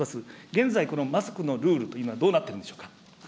現在、このマスクのルールってどうなっているんでしょうか。